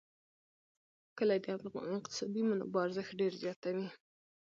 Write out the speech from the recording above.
کلي د اقتصادي منابعو ارزښت ډېر زیاتوي.